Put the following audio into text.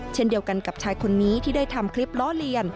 เช่นเดียวกันกับชายคนนี้ที่ได้ทำคลิปล้อเลียน